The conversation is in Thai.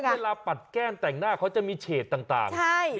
ปัดแก้มแต่งหน้าเขาจะมีเฉดต่าง